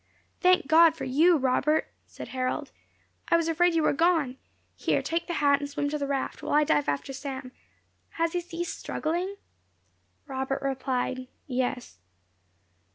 "Thank God for you, Robert!" said Harold. "I was afraid you were gone; here, take the hat and swim to the raft, while I dive after Sam. Has he ceased struggling?" Robert replied, "Yes."